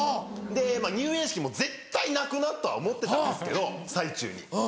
で入園式も絶対泣くなとは思ってたんですけど最中に。